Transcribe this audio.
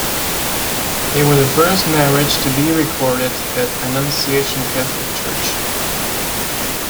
They were the first marriage to be recorded at Annunciation Catholic Church.